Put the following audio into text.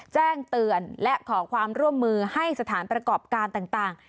แจ้งเตือนและขอความร่วมมือให้สถานประกอบการต่าง